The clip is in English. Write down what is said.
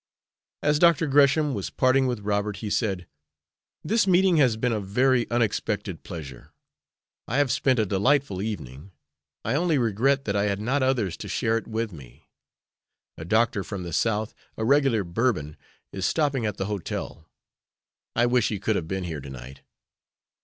As Dr. Gresham was parting with Robert, he said: "This meeting has been a very unexpected pleasure. I have spent a delightful evening. I only regret that I had not others to share it with me. A doctor from the South, a regular Bourbon, is stopping at the hotel. I wish he could have been here to night.